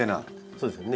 そうですよね。